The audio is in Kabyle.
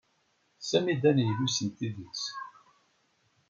Sami d aneglus n tidet.